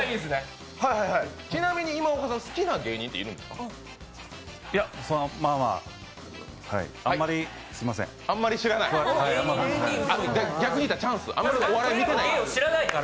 ちなみに今岡さん、好きな芸人さんはいますか？